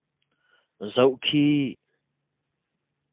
Zoh khih!